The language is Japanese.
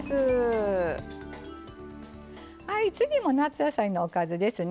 次も夏野菜のおかずですね。